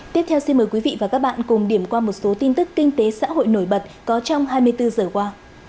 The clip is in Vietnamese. tiếp theo xin mời quý vị và các bạn cùng điểm qua một số tin tức kinh tế xã hội nổi bật có trong hai mươi bốn giờ qua